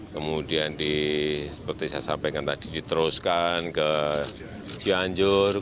kemudian seperti saya sampaikan tadi diteruskan ke cianjur